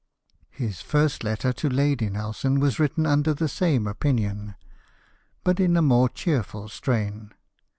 His first letter to Lady Nelson was written under the same opinion, but in a more cheerful strain.